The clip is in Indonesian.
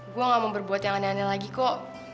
gue gak mau berbuat yang aneh aneh lagi kok